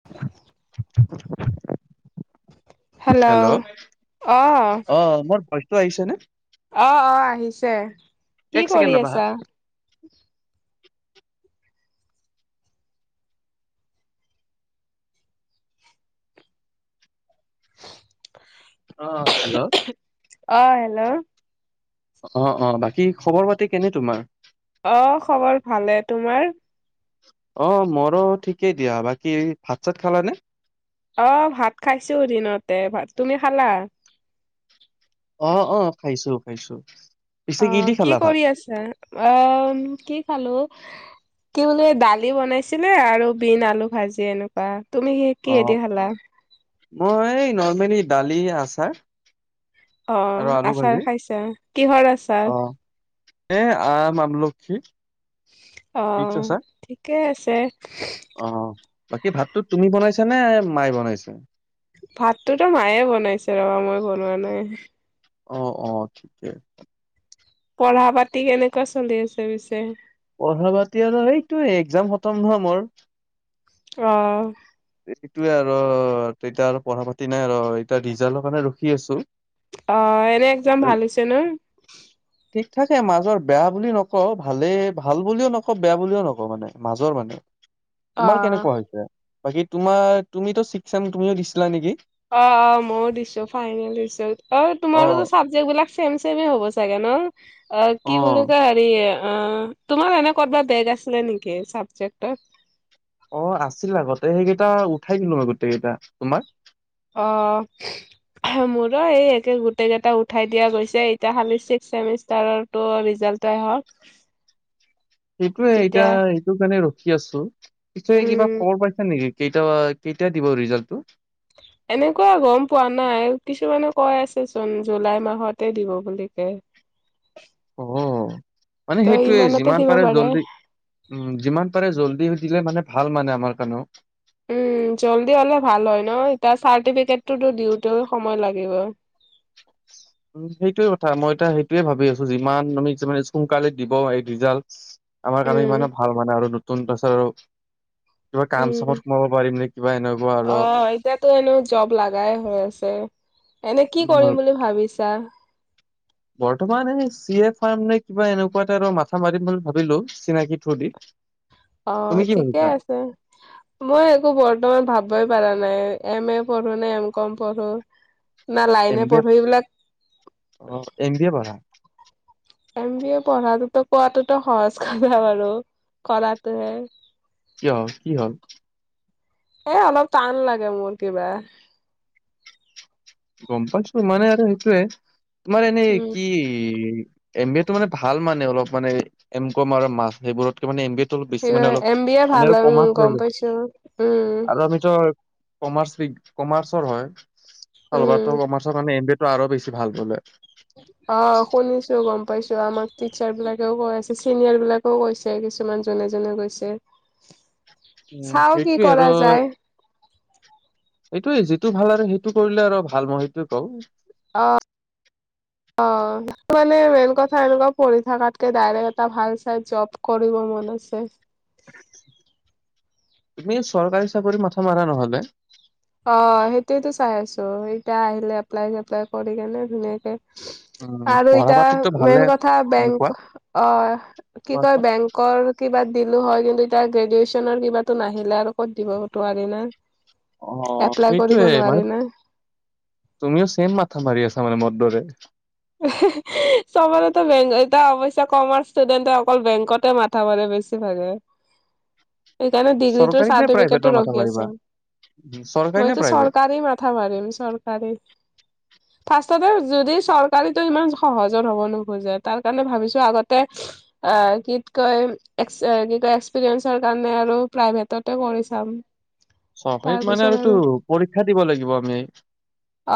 [unintelligible] Hello অ মোৰ ভইচটো আহিছে নে অ অ আহিছে কি এক কৰি ছেকেণ্ড ৰবা হা আছা অ হেল্ল' অ হেল্ল' অ অ বাকী খবৰ পাতি কেনে তোমাৰ অ খবৰ ভালে তোমাৰ অ মৰো ঠিকেই দিয়া বাকী ভাত চাত খালাানে অ ভাত খাইছো দিনতে ভাত তুমি খালা অ', খাইছো, খাইছো অ, পিছে দি কি খালা ভাত কৰি আছো, অ কি খালো কি বোলে দালি বনাইছিলে, আৰু বিন আলু ভাজি এনেকুৱা, তুমি স অ কিহেতি খালা মই, এই নলৰ্মেলি দালি আচাৰ আৰু অ', আলু আচাৰ ভাজি খাইছা কিহৰ আচাৰ? অ এ, আম, আমলখী অ', ঠিকে আছে অ', বাকী ভাতটো তুমি বনাইছা নে, মায়ে বনাইছে ভাতটোতো মায়ে বনাইছে, ৰবা মই বনোৱা নাই অহ, অ, ঠিকেই পঢ়া পাতি কেনেকুৱা চলি আছে পিছে পঢ়া পাতি আৰু সেইটো একজাম খতম নহয়, মোৰ অ', সেইটোয়ে, আৰু তেতিয়া আৰু পঢ়া পাতি নাই আৰু এতিয়া ৰিজাল্টৰ কাৰণে ৰখি আছো অ ', এনে এক্জাম ভাল হৈছে ন [unintelligible] ঠিক থাকে, মাজৰ বেয়া বুলি নকওঁ, ভালেই ভাল বুলিও নকওঁ বেয়া বুলিও নকওঁ মানে মাজৰ মানে অ। তোমাৰ কেনেকুৱা হৈছে, বাকী তোমাৰ তুমিতো চিকচাম তুমিও দিছিলা নেকি অ', মইো দিছো ফাইনেল ৰিচ্ট, অ তোমাৰো চাব যবিলাক চেম ছেমে হ'ব চাগে ন, অ' কি বুলি কয় হেৰি অ' তোমাৰ এনে ক'বা বেগ আছিলে নেকি, চাবজেক্টত। অ, ' আছিল আগতে, সেইকেইটা উঠাই দিলো মই গোটেই কেইটা তোমাৰ অ', মোৰো এই, একে গোটেইকেইটা উঠাই দিয়া গৈছে এতিয়া খালি ছিক্স চেমিষ্টাৰৰ তটো ৰিজাল্টই হওক। সেইটোয়ে এতিয়া এইটো কাৰণে ৰখি আছো পিছে কিবা উম খবৰ পাইছা নেকি, কেইটা কেইটায়া দিব ৰিজাল্টটো। এনেকুৱা গম পোৱা নাই, কিছুমানে কৈ আছে চোন জুলাই মাহতে দিব বুলি কে। অ, ' ত মানে সেইটোয়ে, ইমানতে যিমান দিব পাৰে জল্দি উম, যিমান পাৰে জল্দি দিলে মানে ভাল মানে আমাৰ কাৰণেও। জল্দি হ'লে ভাল হয় ন, এতিয়া চাৰ্টিফিকেটটোতো দিওঁতেও সময় লাগিব। সেইটোয়ে কথা, মই এতিয়া সেইটোয়ে ভাবি আছো যিমান আমি মানে সোনকালে দিব এই ৰিজাল্ট আমাৰ কাৰণে ইমানে উম, ভাল মানে, আৰু নতুন তাৰপিছত, আৰু কিবা কাম চামত উম, সোমাব পাৰিম নেকি। কিবা এনেকুৱা। আৰু অ', এতিয়াতো এনেও জব লাগাই হৈ আছে। এনে, কি উম, কৰিম বুলি ভাবিছা? বৰ্তমান এই চি এ ফাৰ্ম নে কিবা এনেকুৱা এটাৰ মাথা মাৰিম বুলি ভাবিলো চিনাকি থ্ৰু দি [inaudible] অ', কি ঠিকে ভাবিছা? আছে। মই একো বৰ্তমান ভাববই পাৰা নাই এম এ পঢ়ো নে, এম কম পঢ়ো। [inaudible] না, এম লাইনে বি এ পঢ়ো এইবিলাক অ', এম বি এ পঢ়া। এম, বি, এ, পঢ়াটোতো কোৱটোতো সহজ কথা বাৰু কৰাটোহে। কিয় কি হ'ল? এ, অলপ টান লাগে মোৰ কিবা। গম পাইছো মানে, আৰু সেইটোয়ে তোমাৰ এনেই উম। কি এম, বি, এ, টো মানে ভাল মানে অলপ মানে এম কম আৰু মাছ সেইবোৰত এম, বি, এ, টো অলপ বেছি মানে অলপ এম বি এ আমি ভাল আৰু হয় উম, কমাৰ্চ গম লাগিল পাইছো উম, আৰু আমিতো কমাৰ্চ কমাৰ্চৰ হয়, উম। কমাৰ্চৰ কাৰে এম বি এ টো আৰু বেছি ভাল বোলে। অ' শুনিছো গম পাইছো আমাক টিচাৰ বিলাকেও কৈ আছে চিনিয়ৰ বিলাক গৈছে কিছুমান জোনে জোনে গৈছে। উম চাও কি সেইটোৱেই আৰু। কৰা যায় এইটো যিটো ভাল আৰু সেইটো কৰিলে আৰু ভাল মই সেইটোৱে কওঁ। অ'। [inaudible] অ' মানে মেইন কথা এনেকুৱা পঢ়ি থাকাতকে ডাইৰেক এটা ভাল চাই জব কৰিব মন আছে। তুমি চৰকাৰী চাকৰিত মাথা মাৰা নহলে। অ' সেইটোয়েতো চাই আছো এতিয়া আহিলে এপ্লাই চেপ্লাই কৰি কেনে ধুনীয়াকে। উম আৰু পঢ়া এতিয়া পাতিতো ভালে মেইন কথা উম, কোৱা বেংক অ' কি কোৱা কয় কোৱা বেংক কৰ' কিবাত দিলোঁ হয় কিন্তু এতিয়া গ্ৰেজুৱেচনৰ কিবাটো নাহিলে আৰু ক'ত দিব নোৱাৰি না। অ' এপ্লাই কৰিব সেইটোয়ে নোৱাৰি মানে না তুমিও ছেম মাথা মাৰি আছা মানে মোৰ দৰে। চবতেতো বেং এয়া অৱশ্যে কমাৰ্চ ষ্টুডেণ্ট অকল বেংকতে মা মাৰে বেছি ভাগে। [unintelligible] সেইকাৰণে ডিগ্ৰীটোৰ চৰকাৰী নে চাৰ্টিফিকেটটো প্ৰাইভেটৰ মাথা ৰখি মাৰিবা আছে চৰকাৰী নে মইতো প্ৰাইভেট চৰকাৰী ম [unintelligible] মাৰিম চৰকাৰী, ফাচটতে যদি চৰকাৰ কালিতো ইমান সহজত হ'ব নোখোজে তাৰ কাৰণে ভাবিছো আগতে। কি কয় কি কয় এক্সপিৰিয়েঞ্চৰ কাৰণে আৰু প্ৰাইভেটতে কৰি চাম। চহৰিত মানে তাৰপিছত আৰুটো আৰু পৰীক্ষা দিব লাগিব আমি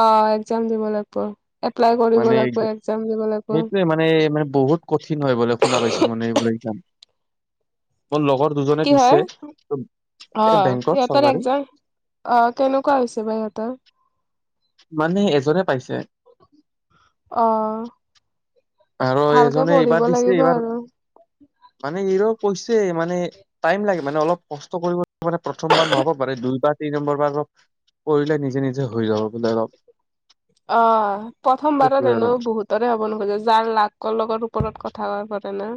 অ এক্জাম দিব লাগিব এপ্লাই কৰিব মানে একজা লাগিব এক্জাম দিব লাগিব সেইটোৱে মানে মানে বহুত কঠিন হয় বোলে শুনা পাইছো মানে এই বো কাম মোৰ লগৰ দুজনে কি হয় দিছে অ এ বেংকত সিহঁতৰ চৰকাৰী এক্জাম অ কেনেকুৱা হৈছে বাই ইটা মানে এজনে পাইছে অ আৰু ভালকে এজনে পঢ়িব এইবাৰ দিছে লাগিব এইবাৰ আৰু মানে এই ৰ কৈছে মানে টাইম লাগে মানে অলপ কষ্ট কৰিব মানে প্ৰথমাৰ নহ'ব বাৰেু দুইবাৰ তিনি নম্বৰ বাৰ কৰিলে নিজে নিজে হৈ যাব বোলে অলপ অ প্ৰথমবাৰৰ সেইটোৱে আৰু এনো বহুত ৰে হ'ব নোখোজে যাৰ লাকৰ লগৰ ওপৰত কথা ক পৰে না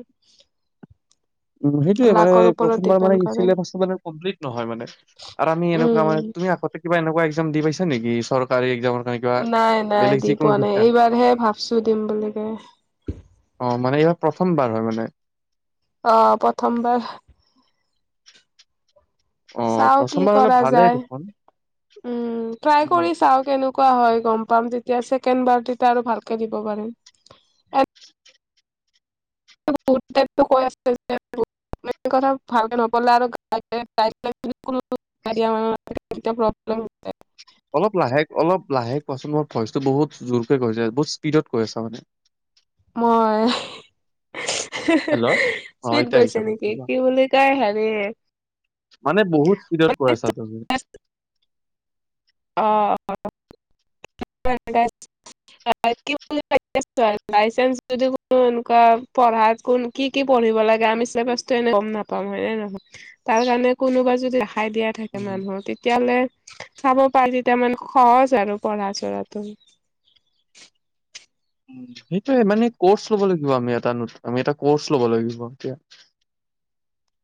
উ সেইটোয়ে মানে লাকৰ ওপৰত প্ৰথমবাৰ ডিপেণ্ড কৰে মানেেবাছ মানে কমপ্লিট নহয় মানে আৰু আমি এনেকুৱা মান উম তুমিগতে কিবা এনেকুৱা এক্াম দি পাইছা নেকি চৰ কাৰ একামৰান নাই নাই দি পোৱা নাই এইবাৰহে ভাবছো দিম বুলি কে অ মানে এইবাৰ প্ৰথমবাৰ হয় মানে আহ প্ৰথমবাৰ অ' চাও কি প্ৰথমবাৰ হ'লে কৰা ভালেই যায় দেখোন। উম ট্ৰাই উম, কৰি চাও কেনেকা োৱা হয় গম পাম তেতিয়া চছেকেণ্ড বাৰট আৰু ভালকে দিব পাৰেিম বহুত টাইপটো কৈ আ কথা ভালকে নপলে আৰু মৰ্যৰনে প্ৰব্লেম অলপ লাহেক অলপ লাহেক কোৱাচোন মোৰ ভইচটো বহুত জোৰকে গৈছে বহুত স্পীডত কৈ আা মানে মই হেল্ল' অ' চুইত এতিয়া গৈছে আহিছে নেকি ভইচটো কোৱা। কি বুলি কাই হানে মানে বহুত স্পীডত কৰা আছা তুমি অ াইচ পৰাত ক কি কি পঢ়িব লাগে আমি চিলেবাচটো এনে গম নাপাওঁ হয়ে নহয় তাৰ কাৰণে কোনোবা যদি দেখাই দিয়া থাকে উম, মানুহৰ তেতিয়াহ'লে চাব পাৰি যেতিয়া মান সহজ আৰু পঢ়া চঢ়াটো। সেইটোয়ে মানে কৰ্চ ল'ব লাগিব আমি এটা আমি এটা কৰ্চ ল'ব লাগিব এতিয়া।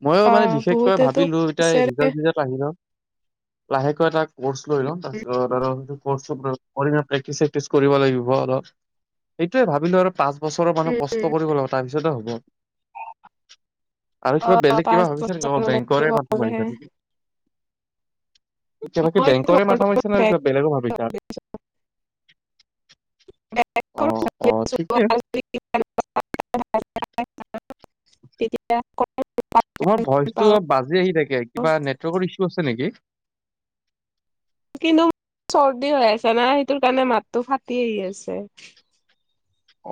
ময়ো অ মানে বিশেষকৈ বহুতেতো ভাবিলো এতিয়া কৈছেৰে ৰিজাল্টজাল্ট [unintelligible] আহি ন লাহেকৈ এটা কৰ্চ লৈ লওঁ তাৰছত প্ৰেট [unintelligible] কৰিব লাগিব আৰু, অলপ সটোয়ে ভাবিলো আৰু পাঁচ বছৰৰ মান উম কষ্ট কৰিব লাগিব তাৰপিছতে হ'ব। আৰু অ কিবা বেলেগ কিবা পাঁচ ভাবিছা নেকি অ', বছৰলৈকে বেংকৰে মাথা গলেহে মাৰিছা নকি কিবাকি মইতো বেংকৰে মাথা মাৰিছা নে বেংক- বেলেগো ভাবিছা। [unintelligible] অ অ ঠিকে তেতিয়া [unintelligible] তোমাৰ ভইচটো পাওঁ অপ বাজি আহি থাকে, কিবা নেটৱৰ্কৰ ইছু আছে নেকি। কিন্তু চৰ্দি হৈ আছে না সেইটোৰ কাৰণে মাতটো ফাটি আহি আছে।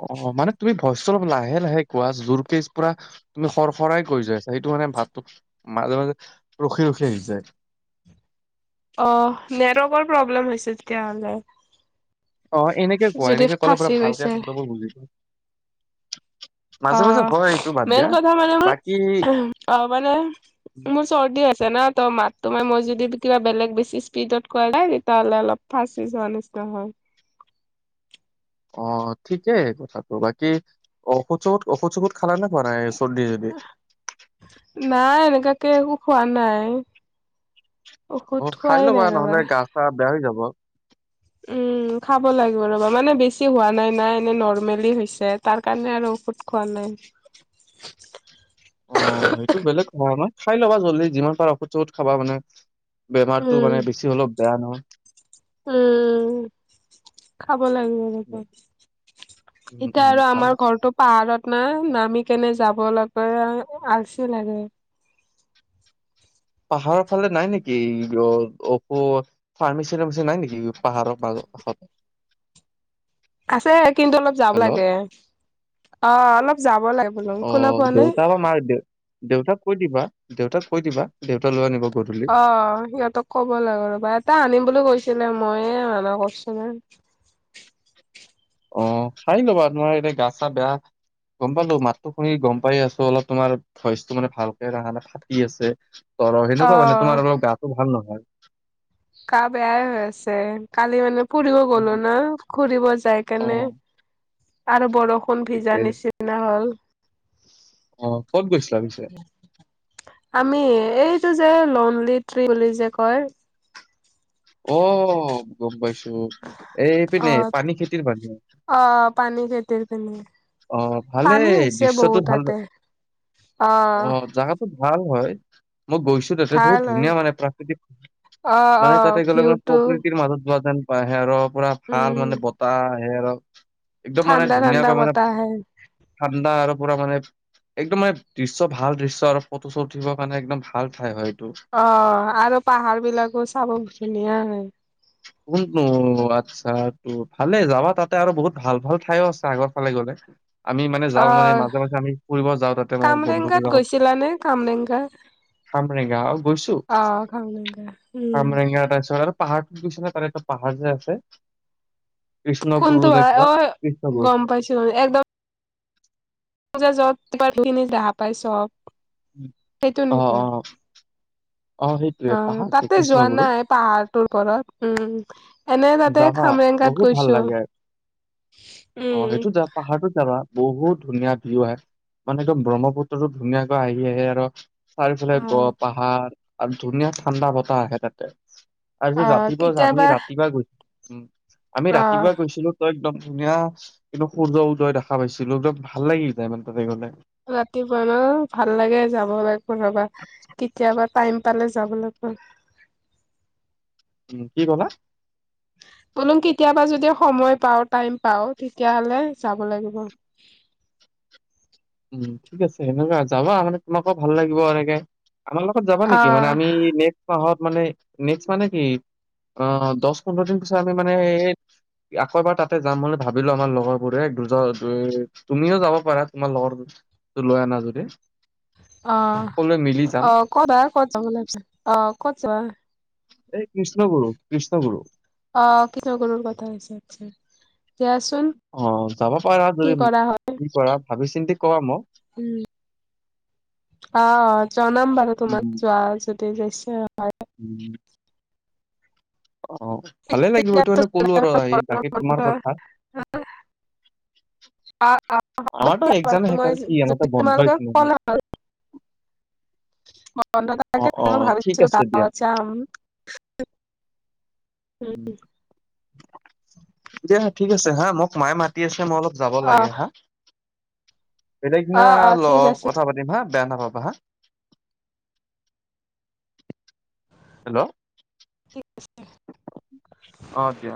অ', মানে তুমি ভইচটো অলপ লাহে লাহে কোৱা জোৰকে পুৰা তুমি খৰ খৰাই কৈ যোৱা আছা সেইটো মানে ভাতটোক মাজে মাজে ৰখি ৰখি আহি যায়। অ', নেটৱৰ্কৰ প্ৰব্লেম হৈছে তেতিয়াহ'লে। অ'। এনেকে কোৱা যদি এনেকে ক'লে পুৰা ফাঁচি গৈছে ভালকে শব্দবোৰ বুজি প অ'। হয় এইটো বাদ মেইন দিয়া কথা মানে মোৰ বাকী অ', মানে মোৰ চৰ্দি আছে না ত' মাততো মাৰ মই যদি কিবা বেলেগ বেছি স্পীডত কৰা নাই তেতিয়াহ'লে অলপ ফাঁচি যোৱাৰ নিচিনা হয়। অ', ঠিকেই কথাটো, বাকী ঔষধ চৌষধ ঔষধ চৌষধ খালা নে খোৱা নাই। চৰ্দি যদি। নাই এনেকুৱাকে একো খোৱা নাই। ঔষধ অ'। খাই খোৱাই ল'বা নাই ৰবা। নহ'লে গা চা বেয়া হৈ যাব। উম, খাব লাগিব ৰ'বা মানে বেছি হোৱা নাই নাই এনে নৰৰ্মেলি হৈছে তাৰ কাৰণে আৰু ঔষধ খোৱা নাই। অ', সেইটো বেলেগ মানে খাই ল'বা জল্দি যিমান পাৰা ঔষধ চৌষধ খাবা মানে। বেমাৰতটো উম, মানে বেছি অলপ বেয়া নহয়। উম, খাব লাগিব। উম ইতা উম আৰু ভালে আমাৰ ঘৰটো পাহাৰত না নামি কেনে যাব লাগে, আলচি লাগে। পাহাৰৰ ফালে নাই নেকি অ', অপ ফাৰ্মেচি চাৰ্মেচি নাই নেকি? পাহাৰৰ মাজত কাষত [unintelligible] আছে কিন্তু অলপ যাব হেল্ল' লাগে অ', অলপ যাব লাগে। বোলো শুনা অ', পোৱা নে দেউতা বা মা দেউ-দেউতাক কৈ দিবা দেউতাক কৈ দিবা দেউতা লৈ আনিব গধূলি। অ', সিহঁতক ক'ব লাগে ৰ'বা এটা আনিম বুলি কৈছিলে মইয়ে মানা কৰছিলো। অ', খাই ল'বা তোমাৰ এতিয়া গা চা বেয়া। গম পালো মাতো শুনি গম পাই আছো অলপ তোমাৰ ভইচটো মানে ভালকে অহা ন কি আছে তৰ অ সেনেকুৱা মানে তোমাৰ অলপ গাটো ভাল নহয়। গা বেয়াই হৈ আছে। কালি মানে ফুৰিব গলো উম, না ঘুৰিব যাই অ কেনে আৰু বৰষুণ ষুণ ভিজা ঠিকে নিচিনা হ'ল। অ', ক'ত গৈছিলা পিছে? আমি এইটো যে লনলি ট্ৰি বুলি যে কয়। অ', গম পাইছো এই অ পিনে পানী খেতিৰ পিনে অ', পানী খেতি পিনে। অ', পানী ভালেই হৈছে দৃশ্যটো বহুত ভাল তাতে অ জা ভাল হয় মই গৈছো বহুত ভাল হয় ধুনীয়া মানে প্ৰাকৃতিক, অ অ মানে তাতে গ'লে মানে ভিউটো প্ৰকৃতিৰ মাজত যোৱা যেন আহে ৰ পুৰা ভাল উম মানে বতাহ আহে ৰ' একদম মানে ঠাণ্ডা ঠাণ্ডা ধুনীয়াকৈ মানে বতাহ আহে ঠাণ্ডা আৰু পুৰা মানে একদম মানে দৃশ্য ভাল দৃশ্য আৰু ফটো চটো উঠিবৰ কাৰণে একদম ভাল ঠাই হয় এইটো। অ আৰু পাহাৰ বিলাকো চাব ধুনীয়া হয় কোনো আচ্ছা ত ভালে যাবা তাতে আৰু বহুত ভাল ভাল ঠাইও আছে আগৰ ফালে গলে আমি মানে অ যাওঁ মানে মাজে মাজে আমি ফুৰিব যাওঁ তাতে মোৰ কামৰেংগাত বন্ধুবিলাকত গৈছিলানে কামৰেংগা হামৰেগা গৈছো অ কামৰেংগা উম আমৰেগা তাৰছত আৰু পাহাৰটোত গৈছে নে কাৰণটো পাহাৰ যে আছে কৃষ্ণগুৰু কোনটো নে হয় কিবা অ কৃষ্ণগুৰু। গম পাইছো একদম পজা যত তিন দো পাইছো অহ অ অ সেইটোৱে পাহাৰটো তাতে যোৱা কৃষ্ণগুৰু নাই পাহাৰটোৰ ওছৰত উম এনে তাতে যাবা খামৰেংকাত বহুত ভাল গৈছো লাগে। উম পাহাৰো যাবা বহুত ধুনীয়া ভিউ আহে মানে একদম ব্ৰহ্মপুত্ৰো ধুনীয়াকৈ আহি আহে আৰু চাৰিওফালে অ গড পাহাৰ আৰু ধুনীয়া ঠাণ্ডা বতাহ আহে তাতে তাৰপিছত অ ৰাতিপুৱা আমি কেতিয়াবা ৰাতিপুৱা গৈছিলো উ আমি অ' ৰাতিপুৱা গৈছিলো একদম ধুনীয়া কিন্তু সূৰ্য উদয় দেখা পাইছিলো একদম ভাল লাগি যায় মানে তেনে গলে ৰাতিপুৱা ন ভাল লাগে যাব বা কোনবা কেতিয়াবা টাইম পালে যাব লাগব উম কি ক'লা বলুম কেতিয়াবা যদি সময় পাও টাইম পাও তেতিয়াহলে যাব লাগিব উম ঠিক আছে সেনেকুৱা যাবা মানে তোমাকো ভাল লাগিব এনেকে আমাৰ লগত যাবা নেকি মানে অ' আমি নেক্স মাহত মানে নেক্স মাহ নে কিি অ দহ পোন্ধৰ দিন পিছত আমি মানে আকৌবাৰ তাতে যাম বুলি ভাবিলো আমাৰ লগৰ বোৰে দুজন তুমিও যাব পাৰা তোমাৰ লগৰ ত লৈ আনা যদি অ সকলোৱে মিলি যাম অ ক'ত আৰু ক'ত যোৱা ভাবিছ অ ক'ত যোৱা এই কৃষ্ণগুৰু কৃষ্ণগুৰু অ কি ন কৰ কথা আ হৈছে আচ্ছা দিয়াচোন অ যাব পাৰ আৰু কি যদি কৰা হয়। কি কৰা ভাবি চিন্তি ক মোক উম অ অ জনাম বাৰু তোমাক উম যোৱা যদি যাইছে হয় উম অ অ ভালে লাগিব এইটো মানে ক'লো আৰু আহ বাকী তোমাৰ কথা অ আমাৰতো এক্জাম শেষ মই আৰু কি য আমাৰতো বন্ধই তোমালোকে তেনেহ'লে। ক অ অ ম ঠিক ভাবিছিলো আছে দিয়া গাাম দা হা ঠিক আছে হা মোক মায়ে মা আছে মই অলপ যাব লাগে অ', হা সটাই কিনা অ', অ', ঠিক লগ আছে। কথা পাতিম হা বেয়া নাপাবা হা হেল্ল' কি আ অ দিয়া